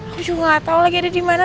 aku juga nggak tahu lagi ada di mana